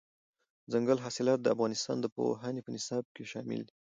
دځنګل حاصلات د افغانستان د پوهنې په نصاب کې شامل دي.